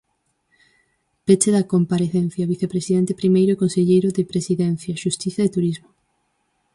Peche da comparecencia, vicepresidente primeiro e conselleiro de Presidencia, Xustiza e Turismo.